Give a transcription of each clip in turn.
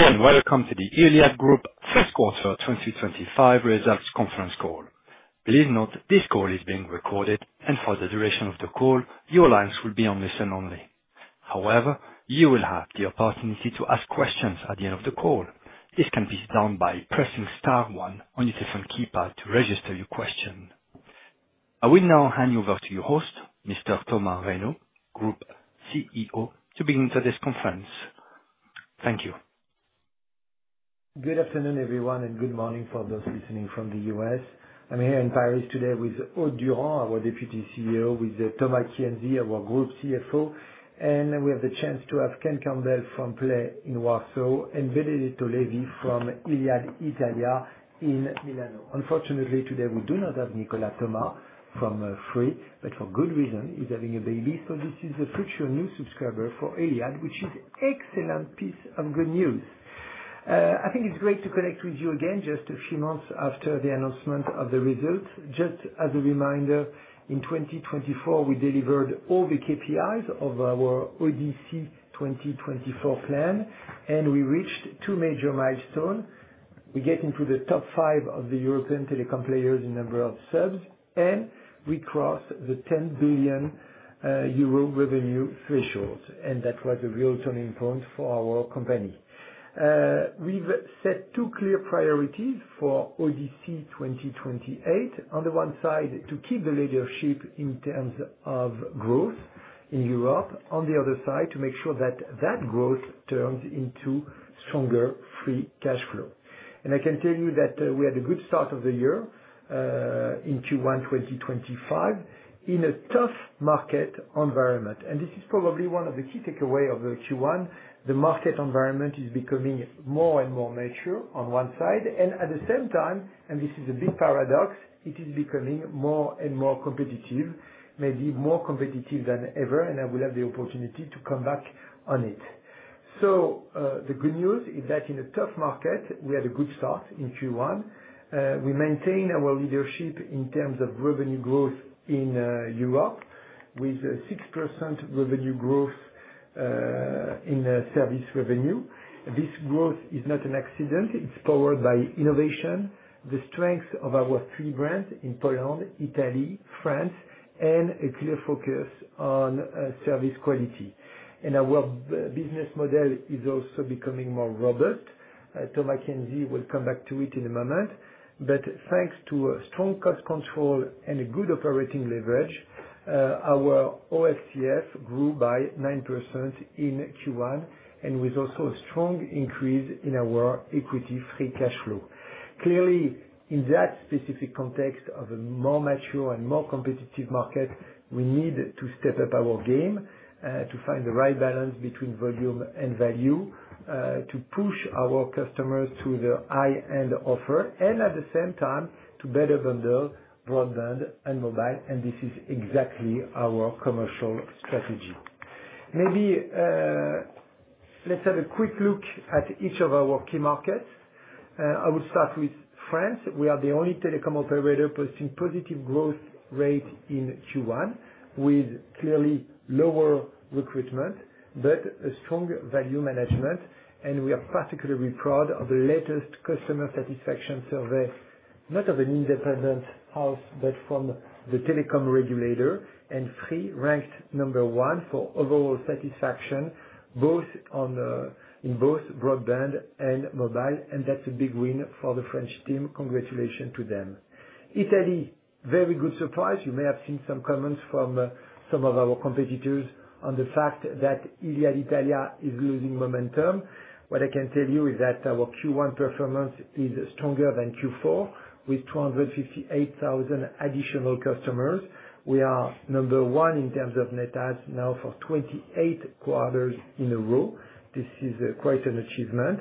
Good morning. Welcome to the iliad Group first quarter 2025 results conference call. Please note this call is being recorded, and for the duration of the call, your lines will be on listen only. However, you will have the opportunity to ask questions at the end of the call. This can be done by pressing star one on your telephone keypad to register your question. I will now hand you over to your host, Mr. Thomas Reynaud, Group CEO, to begin today's conference. Thank you. Good afternoon, everyone, and good morning for those listening from the U.S. I'm here in Paris today with Aude Durand, our Deputy CEO, with Thomas Kienzi, our Group CFO, and we have the chance to have Ken Campbell from Play in Warsaw, and Benedetto Levi from iliad Italia in Milan. Unfortunately, today we do not have Nicolas Thomas from Free, but for good reason, he's having a baby, so this is a future new subscriber for iliad, which is an excellent piece of good news. I think it's great to connect with you again just a few months after the announcement of the results. Just as a reminder, in 2024, we delivered all the KPIs of our ODC 2024 plan, and we reached two major milestones. We get into the top five of the European telecom players in number of subs, and we cross the 10 billion euro revenue threshold, and that was a real turning point for our company. We have set two clear priorities for ODC 2028. On the one side, to keep the leadership in terms of growth in Europe. On the other side, to make sure that that growth turns into stronger free cash flow. I can tell you that we had a good start of the year in Q1 2025 in a tough market environment. This is probably one of the key takeaways of Q1. The market environment is becoming more and more mature on one side, and at the same time, and this is a big paradox, it is becoming more and more competitive, maybe more competitive than ever, and I will have the opportunity to come back on it. The good news is that in a tough market, we had a good start in Q1. We maintain our leadership in terms of revenue growth in Europe, with a 6% revenue growth in service revenue. This growth is not an accident. It is powered by innovation, the strengths of our three brands in Poland, Italy, France, and a clear focus on service quality. Our business model is also becoming more robust. Thomas Kienzi will come back to it in a moment. Thanks to strong cost control and good operating leverage, our OFCF grew by 9% in Q1, and with also a strong increase in our equity free cash flow. Clearly, in that specific context of a more mature and more competitive market, we need to step up our game to find the right balance between volume and value, to push our customers to the high-end offer, and at the same time, to better bundle broadband and mobile, and this is exactly our commercial strategy. Maybe let's have a quick look at each of our key markets. I will start with France. We are the only telecom operator posting positive growth rate in Q1, with clearly lower recruitment, but a strong value management, and we are particularly proud of the latest customer satisfaction survey, not of an independent house, but from the telecom regulator, and Free ranked number one for overall satisfaction, both in both broadband and mobile, and that's a big win for the French team. Congratulations to them. Italy, very good surprise. You may have seen some comments from some of our competitors on the fact that iliad Italia is losing momentum. What I can tell you is that our Q1 performance is stronger than Q4, with 258,000 additional customers. We are number one in terms of net assets now for 28 quarters in a row. This is quite an achievement,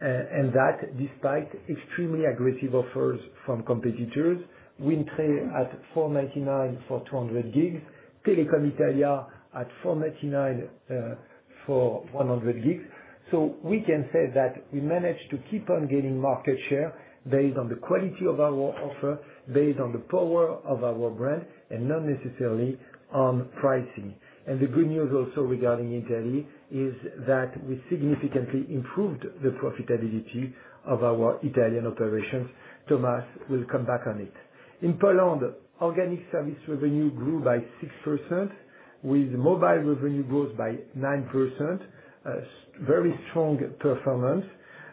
and that despite extremely aggressive offers from competitors. WindTre at 4.99 for 200 GB, Telecom Italia at 4.99 for 100 GB. We can say that we managed to keep on gaining market share based on the quality of our offer, based on the power of our brand, and not necessarily on pricing. The good news also regarding Italy is that we significantly improved the profitability of our Italian operations. Thomas will come back on it. In Poland, organic service revenue grew by 6%, with mobile revenue growth by 9%. Very strong performance,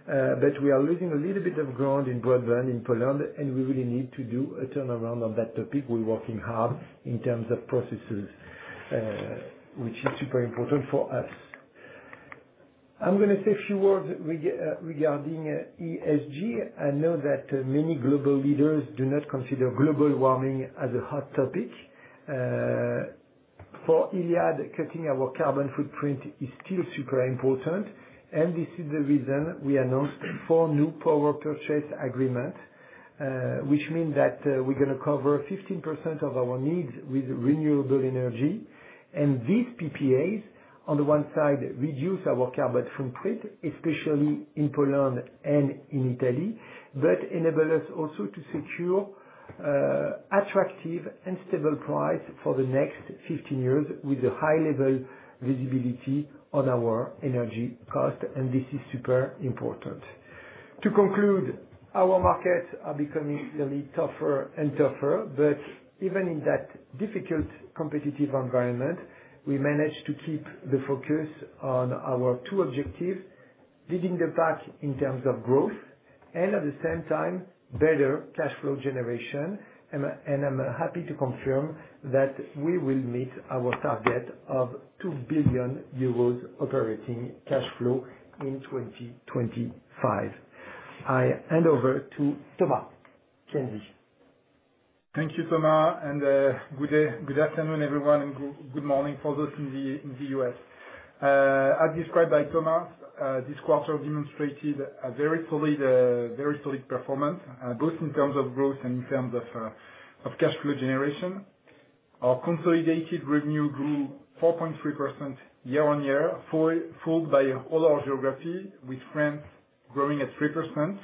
but we are losing a little bit of ground in broadband in Poland, and we really need to do a turnaround on that topic. We are working hard in terms of processes, which is super important for us. I am going to say a few words regarding ESG. I know that many global leaders do not consider global warming as a hot topic. For iliad, cutting our carbon footprint is still super important, and this is the reason we announced four new power purchase agreements, which means that we're going to cover 15% of our needs with renewable energy. And these PPAs, on the one side, reduce our carbon footprint, especially in Poland and in Italy, but enable us also to secure attractive and stable prices for the next 15 years with a high level of visibility on our energy cost, and this is super important. To conclude, our markets are becoming really tougher and tougher, but even in that difficult competitive environment, we managed to keep the focus on our two objectives: leading the pack in terms of growth, and at the same time, better cash flow generation. I'm happy to confirm that we will meet our target of 2 billion euros operating cash flow in 2025. I hand over to Thomas Kienzi. Thank you, Thomas, and good afternoon, everyone, and good morning for those in the U.S. As described by Thomas, this quarter demonstrated a very solid performance, both in terms of growth and in terms of cash flow generation. Our consolidated revenue grew 4.3% year on year, followed by all our geography, with France growing at 3%,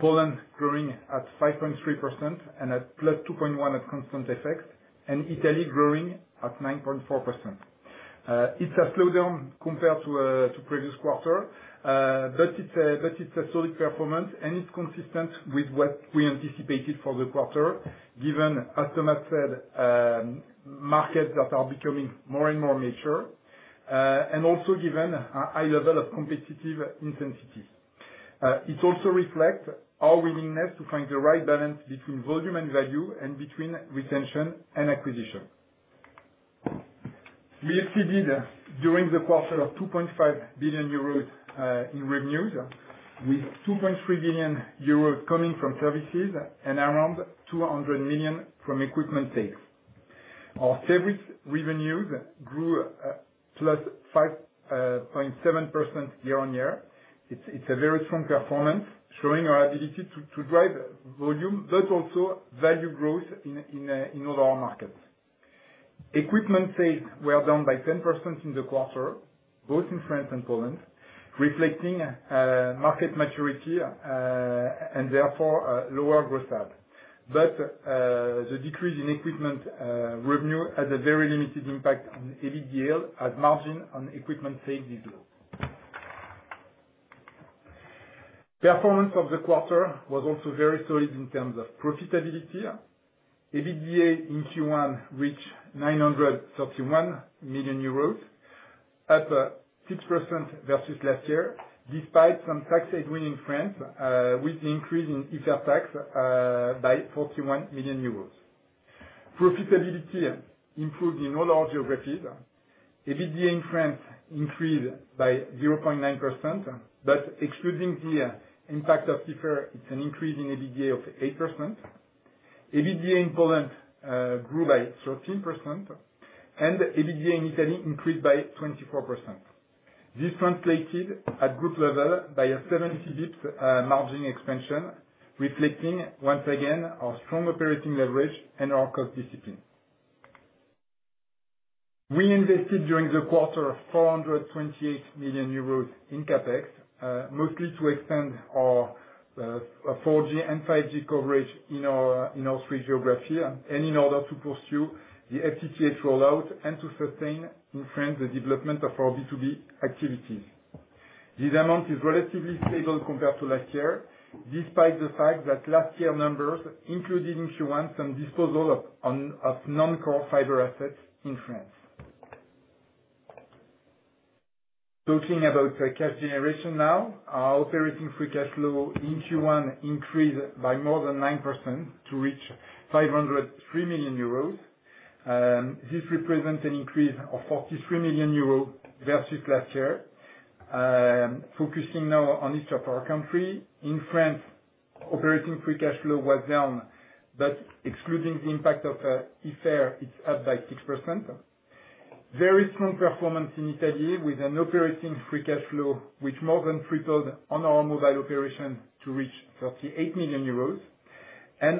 Poland growing at 5.3%, and at plus 2.1% at constant effect, and Italy growing at 9.4%. It is a slowdown compared to the previous quarter, but it is a solid performance, and it is consistent with what we anticipated for the quarter, given, as Thomas said, markets that are becoming more and more mature, and also given a high level of competitive intensity. It also reflects our willingness to find the right balance between volume and value, and between retention and acquisition. We exceeded during the quarter 2.5 billion euros in revenues, with 2.3 billion euros coming from services and around 200 million from equipment sales. Our service revenues grew +5.7% year on year. It's a very strong performance, showing our ability to drive volume, but also value growth in all our markets. Equipment sales were down by 10% in the quarter, both in France and Poland, reflecting market maturity and therefore lower growth. The decrease in equipment revenue has a very limited impact on EBITDA as margin on equipment sales is low. Performance of the quarter was also very solid in terms of profitability. EBITDA in Q1 reached 931 million euros, up 6% versus last year, despite some tax headwind in France, with the increase in IFER tax by 41 million euros. Profitability improved in all our geographies. EBITDA in France increased by 0.9%, but excluding the impact of IFER, it's an increase in EBITDA of 8%. EBITDA in Poland grew by 13%, and EBITDA in Italy increased by 24%. This translated at group level by a 70 basis points margin expansion, reflecting once again our strong operating leverage and our cost discipline. We invested during the quarter 428 million euros in CapEx, mostly to expand our 4G and 5G coverage in all three geographies, and in order to pursue the FTTH rollout and to sustain in France the development of our B2B activities. This amount is relatively stable compared to last year, despite the fact that last year's numbers included in Q1 some disposal of non-core fiber assets in France. Talking about cash generation now, our operating free cash flow in Q1 increased by more than 9% to reach 503 million euros. This represents an increase of 43 million euros versus last year. Focusing now on each of our countries, in France, operating free cash flow was down, but excluding the impact of IFER, it's up by 6%. Very strong performance in Italy with an operating free cash flow which more than tripled on our mobile operation to reach 38 million euros.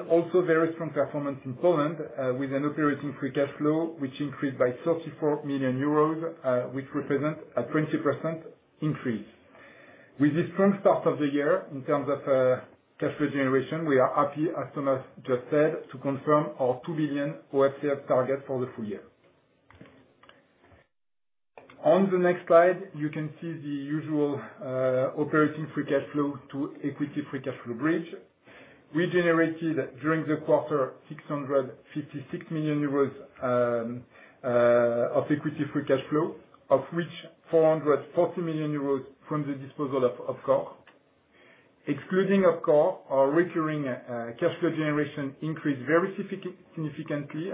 Also very strong performance in Poland with an operating free cash flow which increased by 34 million euros, which represents a 20% increase. With this strong start of the year in terms of cash flow generation, we are happy, as Thomas just said, to confirm our 2 billion OFCF target for the full year. On the next slide, you can see the usual operating free cash flow to equity free cash flow bridge. We generated during the quarter 656 million euros of equity free cash flow, of which 440 million euros from the disposal of OFCOR. Excluding OFCOR, our recurring cash flow generation increased very significantly,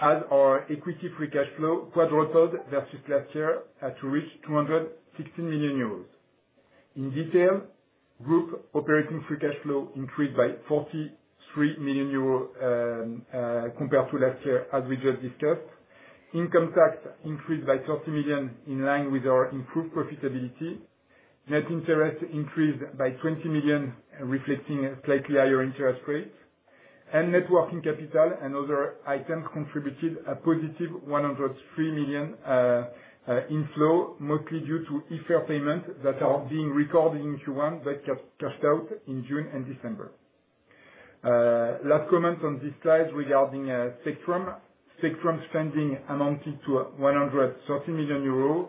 as our equity free cash flow quadrupled versus last year to reach 216 million euros. In detail, group operating free cash flow increased by 43 million euros compared to last year, as we just discussed. Income tax increased by 30 million in line with our improved profitability. Net interest increased by 20 million, reflecting a slightly higher interest rate. Networking capital and other items contributed a positive 103 million inflow, mostly due to IFER payments that are being recorded in Q1, but cashed out in June and December. Last comment on this slide regarding spectrum. Spectrum spending amounted to 130 million euros,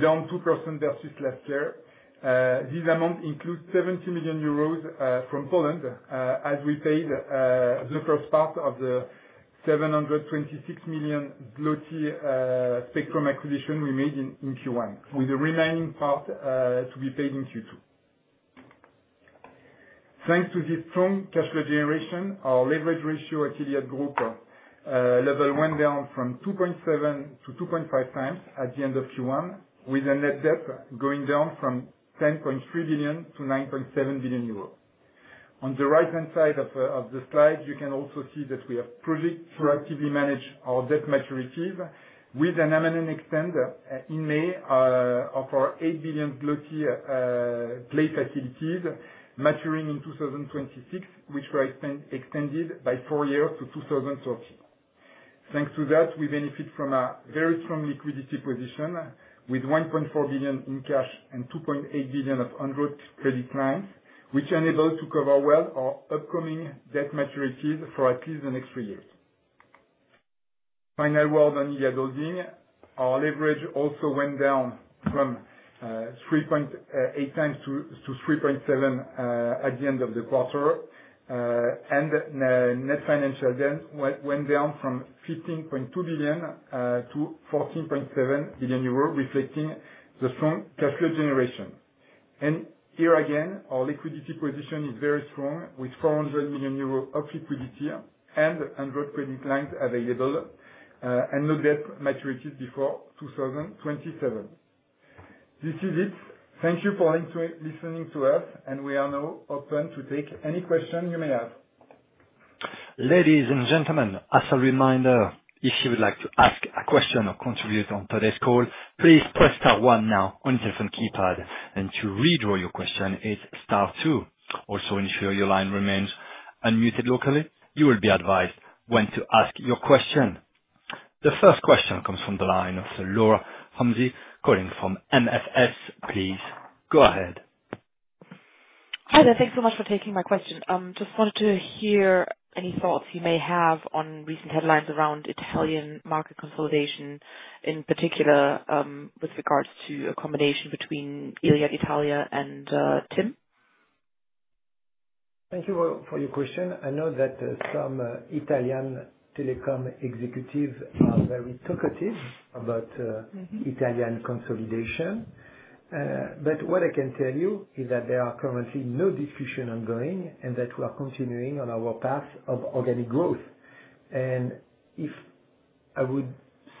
down 2% versus last year. This amount includes 70 million euros from Poland, as we paid the first part of the 726 million zloty spectrum acquisition we made in Q1, with the remaining part to be paid in Q2. Thanks to this strong cash flow generation, our leverage ratio at iliad Group level went down from 2.7 to 2.5 times at the end of Q1, with net debt going down from 10.3 billion to 9.7 billion euros. On the right-hand side of the slide, you can also see that we have proactively managed our debt maturities, with an amendment and extension in May of our 8 billion Play facilities maturing in 2026, which were extended by four years to 2030. Thanks to that, we benefit from a very strong liquidity position, with 1.4 billion in cash and 2.8 billion of undrawn credit lines, which enables us to cover well our upcoming debt maturities for at least the next three years. Final word on iliad Holding. Our leverage also went down from 3.8 times to 3.7 at the end of the quarter, and net financial gains went down from 15.2 billion to 14.7 billion euro, reflecting the strong cash flow generation. Here again, our liquidity position is very strong, with 400 million euro of liquidity and undrawn credit lines available, and no debt maturities before 2027. This is it. Thank you for listening to us, and we are now open to take any question you may have. Ladies and gentlemen, as a reminder, if you would like to ask a question or contribute on today's call, please press star one now on the telephone keypad, and to withdraw your question, hit star two. Also, ensure your line remains unmuted locally. You will be advised when to ask your question. The first question comes from the line of Laura Homsy, calling from MFS. Please go ahead. Hi, thank you so much for taking my question. Just wanted to hear any thoughts you may have on recent headlines around Italian market consolidation, in particular with regards to a combination between iliad Italia and TIM. Thank you for your question. I know that some Italian telecom executives are very talkative about Italian consolidation, but what I can tell you is that there are currently no discussions ongoing and that we are continuing on our path of organic growth. If I would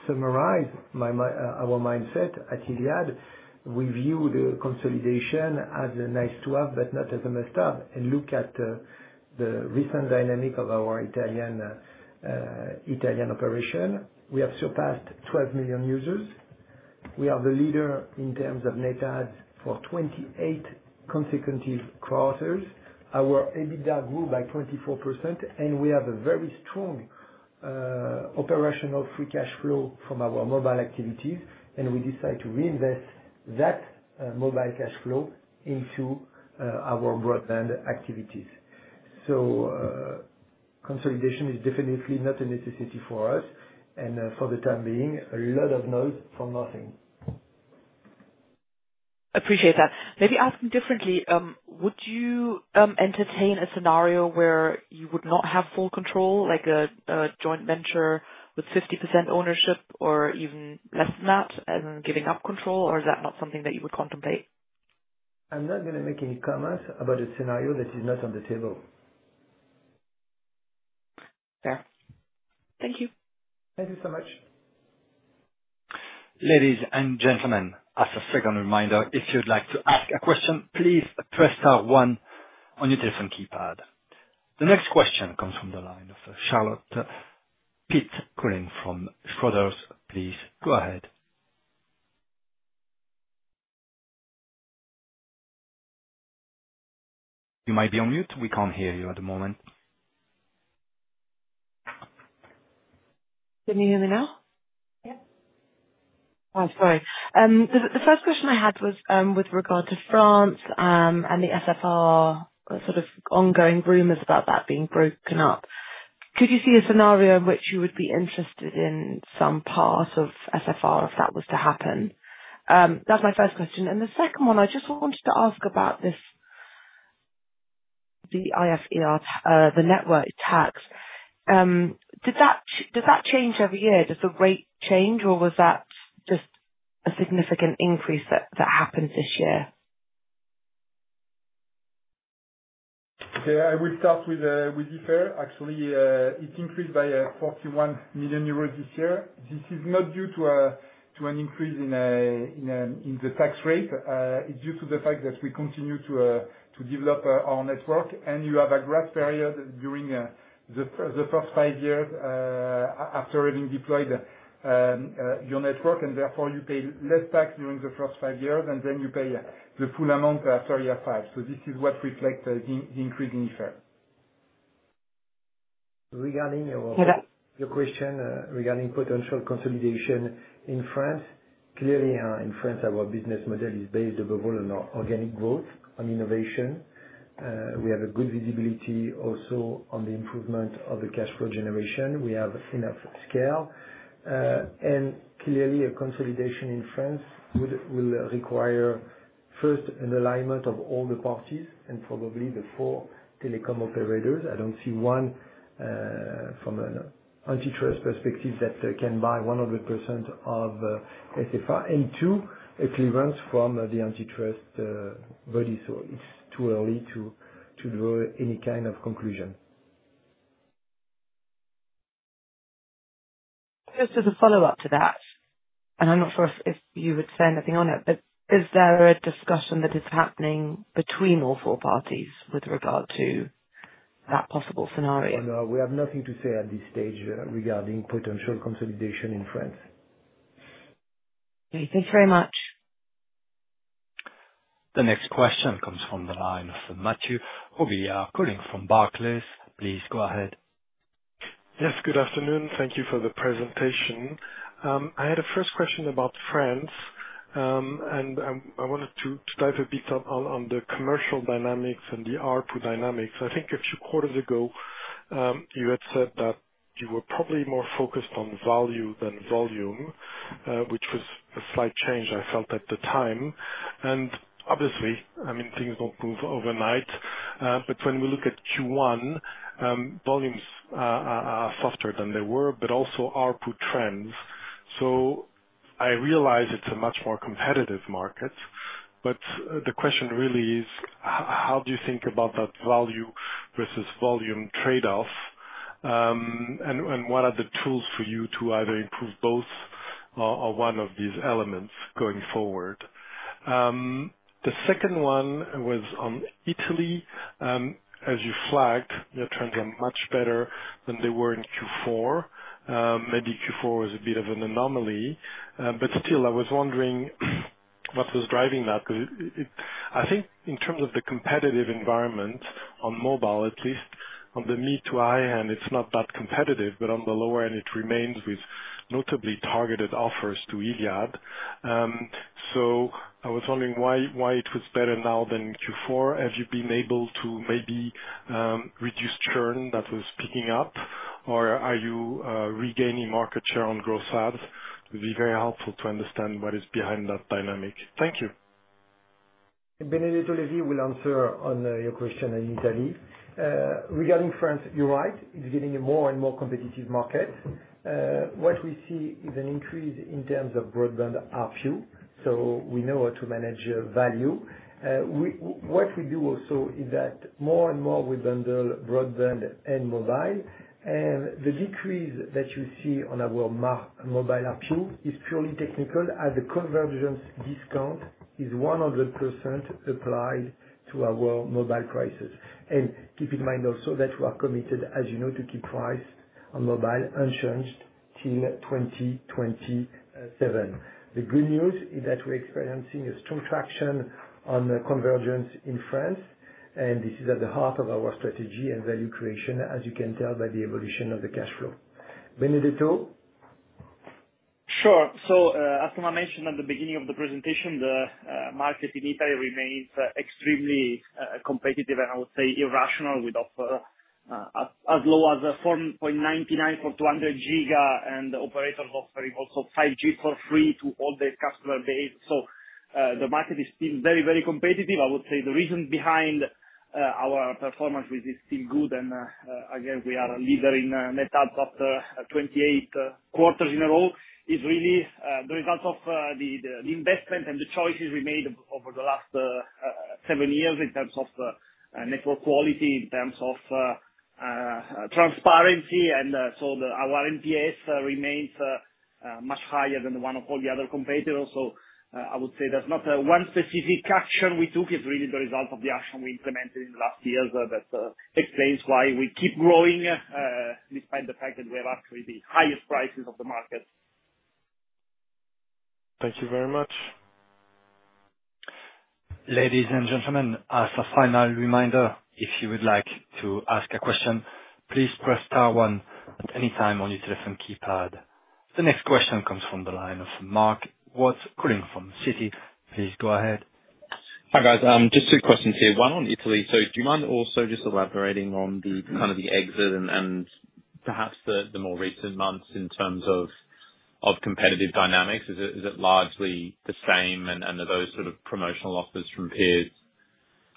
summarize our mindset at iliad, we view the consolidation as a nice to have, but not as a must-have, and look at the recent dynamic of our Italian operation. We have surpassed 12 million users. We are the leader in terms of net adds for 28 consecutive quarters. Our EBITDA grew by 24%, and we have a very strong operational free cash flow from our mobile activities, and we decide to reinvest that mobile cash flow into our broadband activities. Consolidation is definitely not a necessity for us, and for the time being, a lot of no's for nothing. I appreciate that. Maybe asking differently, would you entertain a scenario where you would not have full control, like a joint venture with 50% ownership or even less than that, and giving up control, or is that not something that you would contemplate? I'm not going to make any comments about a scenario that is not on the table. Fair. Thank you. Thank you so much. Ladies and gentlemen, as a second reminder, if you'd like to ask a question, please press star one on your telephone keypad. The next question comes from the line of Charlotte Wood, calling from Schroders. Please go ahead. You might be on mute. We can't hear you at the moment. Can you hear me now? Yep. Oh, sorry. The first question I had was with regard to France and the SFR, sort of ongoing rumors about that being broken up. Could you see a scenario in which you would be interested in some part of SFR if that was to happen? That's my first question. The second one, I just wanted to ask about the IFER, the network tax. Does that change every year? Does the rate change, or was that just a significant increase that happened this year? Yeah, I would start with IFER. Actually, it increased by 41 million euros this year. This is not due to an increase in the tax rate. It's due to the fact that we continue to develop our network, and you have a growth period during the first five years after having deployed your network, and therefore you pay less tax during the first five years, and then you pay the full amount after year five. This is what reflects the increase in IFER. Regarding your question regarding potential consolidation in France, clearly in France, our business model is based above all on organic growth, on innovation. We have a good visibility also on the improvement of the cash flow generation. We have enough scale. Clearly, a consolidation in France will require first an alignment of all the parties and probably the four telecom operators. I do not see one from an antitrust perspective that can buy 100% of SFR. Two, a clearance from the antitrust body. It is too early to draw any kind of conclusion. Just as a follow-up to that, and I'm not sure if you would say anything on it, but is there a discussion that is happening between all four parties with regard to that possible scenario? No, we have nothing to say at this stage regarding potential consolidation in France. Okay. Thank you very much. The next question comes from the line of Matthew Olaribigbe, calling from Barclays. Please go ahead. Yes, good afternoon. Thank you for the presentation. I had a first question about France, and I wanted to dive a bit on the commercial dynamics and the ARPU dynamics. I think a few quarters ago, you had said that you were probably more focused on value than volume, which was a slight change I felt at the time. Obviously, I mean, things don't move overnight, but when we look at Q1, volumes are softer than they were, but also ARPU trends. I realize it's a much more competitive market, but the question really is, how do you think about that value versus volume trade-off, and what are the tools for you to either improve both or one of these elements going forward? The second one was on Italy. As you flagged, your trends are much better than they were in Q4. Maybe Q4 was a bit of an anomaly, but still, I was wondering what was driving that. I think in terms of the competitive environment on mobile, at least on the mid to high end, it's not that competitive, but on the lower end, it remains with notably targeted offers to iliad. I was wondering why it was better now than Q4. Have you been able to maybe reduce churn that was picking up, or are you regaining market share on gross ads? It would be very helpful to understand what is behind that dynamic. Thank you. Benedetto Levi will answer on your question in Italy. Regarding France, you're right. It's getting a more and more competitive market. What we see is an increase in terms of broadband ARPU, so we know how to manage value. What we do also is that more and more we bundle broadband and mobile, and the decrease that you see on our mobile ARPU is purely technical, as the convergence discount is 100% applied to our mobile prices. Keep in mind also that we are committed, as you know, to keep price on mobile unchanged till 2027. The good news is that we're experiencing a strong traction on convergence in France, and this is at the heart of our strategy and value creation, as you can tell by the evolution of the cash flow. Benedetto? Sure. As Thomas mentioned at the beginning of the presentation, the market in Italy remains extremely competitive, and I would say irrational, with offers as low as 14.99 for 200 GB, and operators offering also 5G for free to all their customer base. The market is still very, very competitive. I would say the reason behind our performance is still good, and again, we are a leader in net adds after 28 quarters in a row, is really the result of the investment and the choices we made over the last seven years in terms of network quality, in terms of transparency. Our NPS remains much higher than one of all the other competitors. I would say there's not one specific action we took. It's really the result of the action we implemented in the last years that explains why we keep growing, despite the fact that we have actually the highest prices of the market. Thank you very much. Ladies and gentlemen, as a final reminder, if you would like to ask a question, please press star one at any time on your telephone keypad. The next question comes from the line of Mark, who is calling from Citi. Please go ahead. Hi, guys. Just two questions here. One on Italy. Do you mind also just elaborating on the kind of the exit and perhaps the more recent months in terms of competitive dynamics? Is it largely the same, and are those sort of promotional offers from peers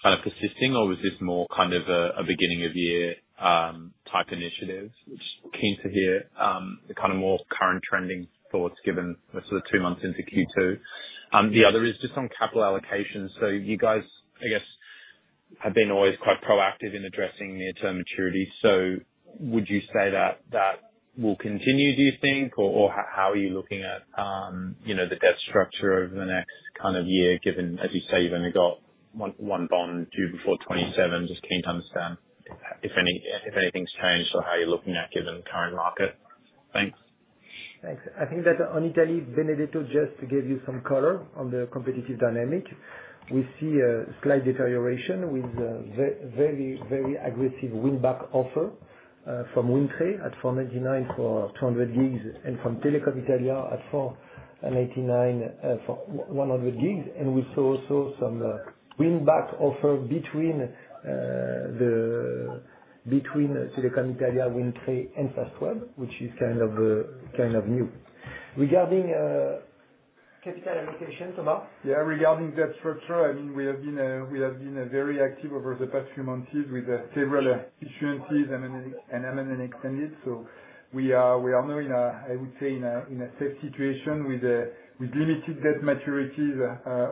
kind of persisting, or was this more kind of a beginning-of-year type initiative? Just keen to hear the kind of more current trending thoughts given the sort of two months into Q2. The other is just on capital allocation. You guys, I guess, have been always quite proactive in addressing near-term maturity. Would you say that will continue, do you think, or how are you looking at the debt structure over the next kind of year, given, as you say, you have only got one bond due before 2027? Just keen to understand if anything's changed or how you're looking at given the current market. Thanks. Thanks. I think that on Italy, Benedetto, just to give you some color on the competitive dynamic, we see a slight deterioration with a very, very aggressive win-back offer from WindTre at 4.99 for 200 GB, and from Telecom Italia at 4.99 for 100 GB. We saw also some win-back offer between Telecom Italia, WindTre, and Fastweb, which is kind of new. Regarding capital allocation, Thomas? Yeah, regarding debt structure, I mean, we have been very active over the past few months with several issuances, and I'm independent. We are now, I would say, in a safe situation with limited debt maturities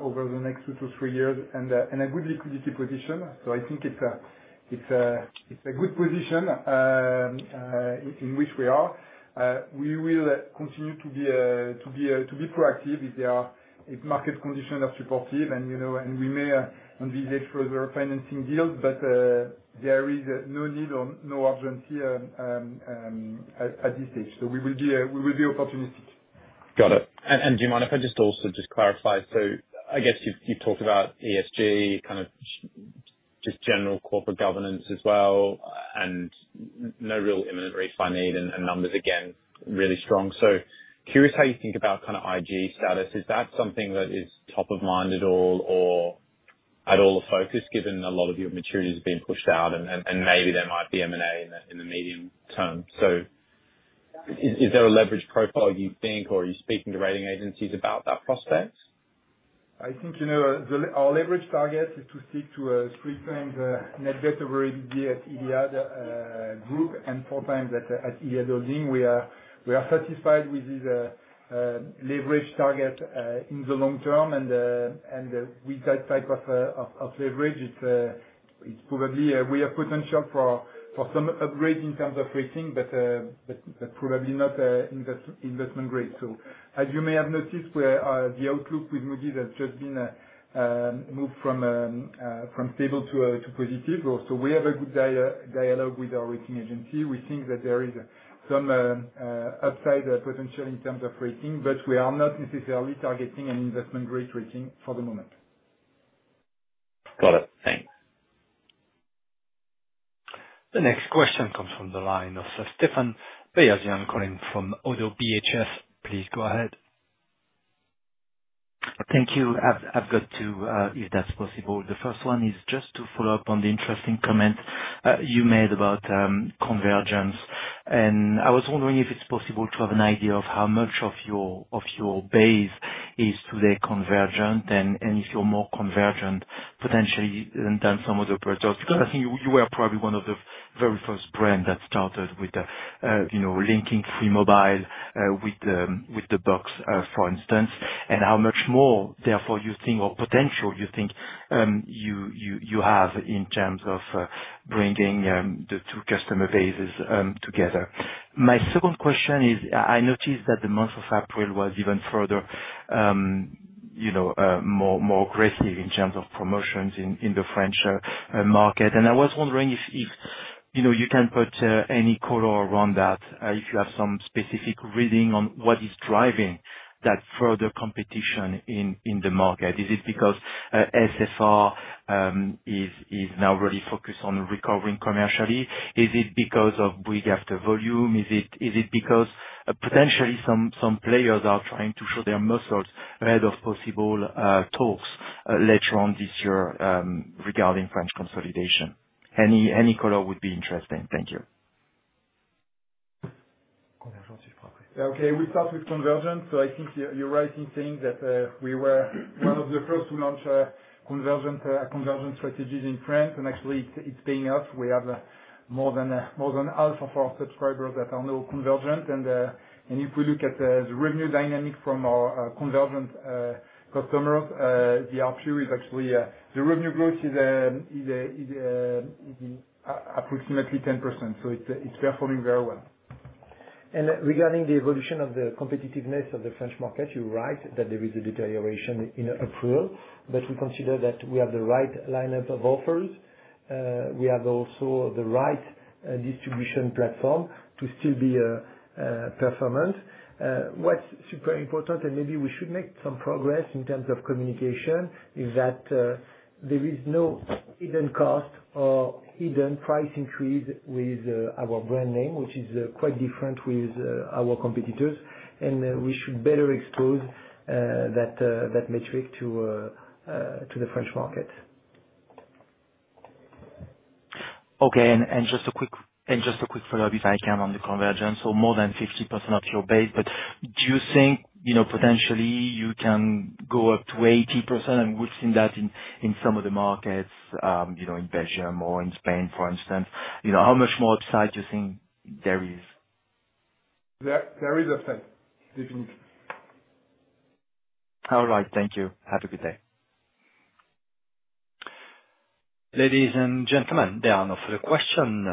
over the next two to three years and a good liquidity position. I think it's a good position in which we are. We will continue to be proactive if market conditions are supportive, and we may envisage further financing deals, but there is no need or no urgency at this stage. We will be opportunistic. Got it. Do you mind if I just also just clarify? I guess you've talked about ESG, kind of just general corporate governance as well, and no real imminent refinement, and numbers again, really strong. Curious how you think about kind of IG status. Is that something that is top of mind at all or at all the focus, given a lot of your maturities being pushed out, and maybe there might be M&A in the medium term? Is there a leverage profile, you think, or are you speaking to rating agencies about that prospect? I think our leverage target is to stick to a three-times net debt over EBITDA at iliad Group and four times at iliad Holding. We are satisfied with this leverage target in the long term, and with that type of leverage, it's probably a way of potential for some upgrade in terms of rating, but probably not investment grade. As you may have noticed, the outlook with Moody's has just been moved from stable to positive. We have a good dialogue with our rating agency. We think that there is some upside potential in terms of rating, but we are not necessarily targeting an investment-grade rating for the moment. Got it. Thanks. The next question comes from the line of Stephane Beyazian calling from ODDO BHF. Please go ahead. Thank you. I've got two, if that's possible. The first one is just to follow up on the interesting comment you made about convergence. I was wondering if it's possible to have an idea of how much of your base is today convergent, and if you're more convergent potentially than some of the operators. I think you were probably one of the very first brands that started with linking Free mobile with the box, for instance, and how much more, therefore, you think, or potential you think you have in terms of bringing the two customer bases together. My second question is, I noticed that the month of April was even further more aggressive in terms of promotions in the French market. I was wondering if you can put any color around that, if you have some specific reading on what is driving that further competition in the market. Is it because SFR is now really focused on recovering commercially? Is it because of big after volume? Is it because potentially some players are trying to show their muscles ahead of possible talks later on this year regarding French consolidation? Any color would be interesting. Thank you. Okay, we start with convergence. I think you're right in saying that we were one of the first to launch a convergent strategy in France, and actually it's paying off. We have more than half of our subscribers that are now convergent. If we look at the revenue dynamic from our convergent customers, the ARPU is actually the revenue growth is approximately 10%. It is performing very well. Regarding the evolution of the competitiveness of the French market, you're right that there is a deterioration in April, but we consider that we have the right lineup of offers. We have also the right distribution platform to still be performant. What's super important, and maybe we should make some progress in terms of communication, is that there is no hidden cost or hidden price increase with our brand name, which is quite different with our competitors, and we should better expose that metric to the French market. Okay. And just a quick follow-up, if I can, on the convergence. More than 50% of your base, but do you think potentially you can go up to 80%? We have seen that in some of the markets in Belgium or in Spain, for instance. How much more upside do you think there is? There is upside, definitely. All right. Thank you. Have a good day. Ladies and gentlemen, there are no further questions.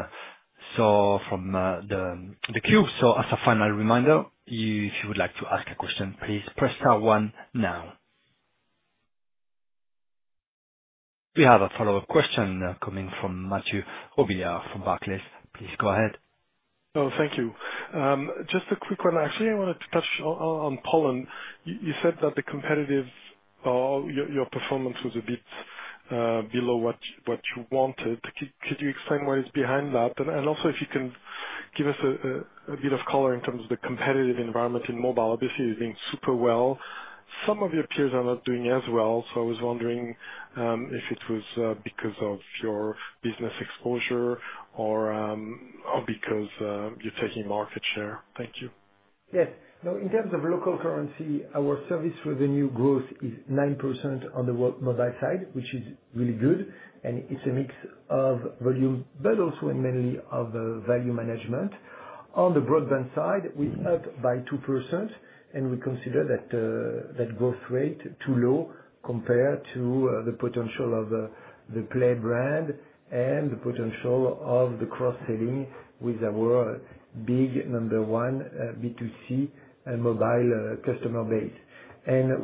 From the queue, as a final reminder, if you would like to ask a question, please press star one now. We have a follow-up question coming from Matthew Olaribigbe from Barclays. Please go ahead. No, thank you. Just a quick one. Actually, I wanted to touch on Poland. You said that the competitive or your performance was a bit below what you wanted. Could you explain what is behind that? Also, if you can give us a bit of color in terms of the competitive environment in mobile. Obviously, you're doing super well. Some of your peers are not doing as well, so I was wondering if it was because of your business exposure or because you're taking market share. Thank you. Yes. Now, in terms of local currency, our service revenue growth is 9% on the mobile side, which is really good, and it's a mix of volume, but also and mainly of value management. On the broadband side, we're up by 2%, and we consider that growth rate too low compared to the potential of the Play brand and the potential of the cross-selling with our big number one B2C mobile customer base.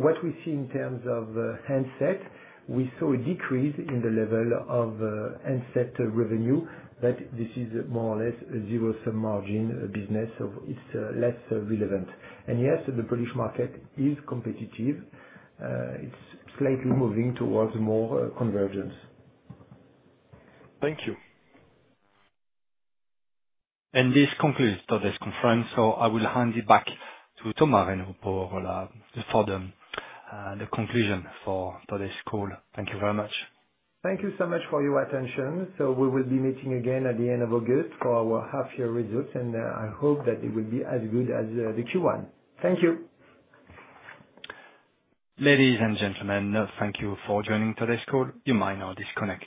What we see in terms of handset, we saw a decrease in the level of handset revenue, but this is more or less a zero-sum margin business, so it's less relevant. Yes, the Polish market is competitive. It's slightly moving towards more convergence. Thank you. This concludes today's conference. I will hand it back to Thomas Reynaud for the conclusion for today's call. Thank you very much. Thank you so much for your attention. We will be meeting again at the end of August for our half-year results, and I hope that they will be as good as the Q1. Thank you. Ladies and gentlemen, thank you for joining today's call. You may now disconnect.